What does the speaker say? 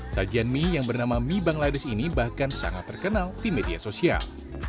sajian mie yang bernama mie bangladesh ini bahkan sangat terkenal di media sosial